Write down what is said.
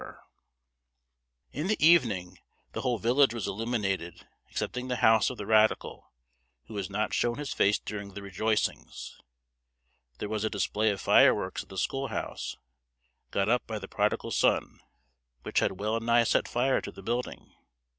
[Illustration: Master Simon Opens the Ball] In the evening, the whole village was illuminated, excepting the house of the radical, who has not shown his face during the rejoicings. There was a display of fireworks at the school house, got up by the prodigal son, which had wellnigh set fire to the building.